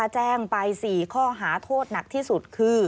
แจ้งไป๔ข้อหาโทษหนักที่สุดคือ